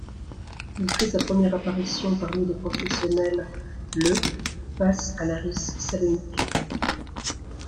Il fait sa première apparition parmi les professionnels le face à l'Aris Salonique.